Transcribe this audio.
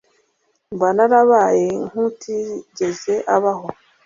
mba narabaye nk'utigeze abaho